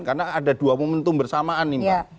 karena ada dua momentum bersamaan nih pak